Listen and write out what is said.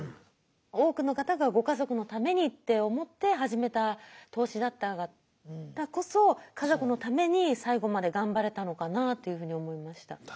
多くの方がご家族のためにって思って始めた投資だったからこそ家族のために最後まで頑張れたのかなあっていうふうに思いました。